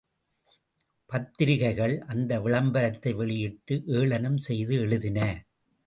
பத்திரிகைகள் அந்த விளம்பரத்தை வெளியிட்டு ஏளனம் செய்து எழுதின.